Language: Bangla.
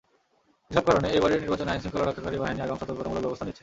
এসব কারণে এবারের নির্বাচনে আইনশৃঙ্খলা রক্ষাকারী বাহিনী আগাম সতর্কতামূলক ব্যবস্থা নিয়েছে।